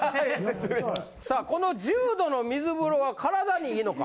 さあこの１０℃の水風呂は体に良いのか？